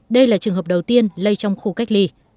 đây là trường hợp đầu tiên lây trong khu cách ly